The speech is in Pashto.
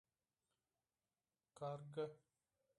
🐦⬛ کارغه